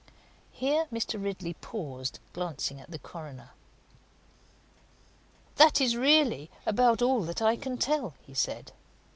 Here Mr. Ridley paused, glancing at the coroner. "That is really about all that I can tell," he said.